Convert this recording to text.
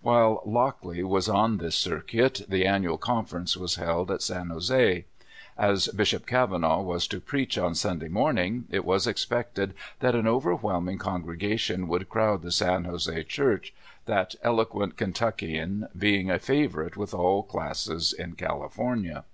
While Lockley was on this circuit the. Annual Conference was held at San Jose. As Bishop Kavanaugh was to preach on Sunday morning, it was expected that an overwhelming congregation would crowd the San Jose church, that eloquent Kentuckian being a favorite with all classes in California.